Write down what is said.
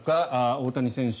大谷選手。